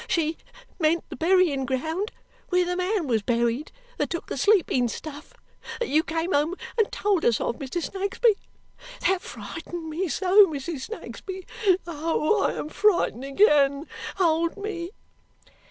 She meant the burying ground where the man was buried that took the sleeping stuff that you came home and told us of, Mr. Snagsby that frightened me so, Mrs. Snagsby. Oh, I am frightened again. Hold me!"